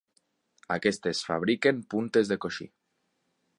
Aquestes fabriquen puntes de coixí.